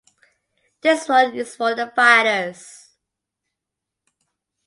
This one is for the fighters.